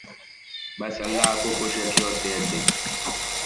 بس اللہ آپ کو خوش رکھے اور صحت دے۔